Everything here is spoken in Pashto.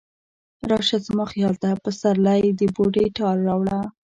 راشه زما خیال ته، پسرلی د بوډۍ ټال راوړه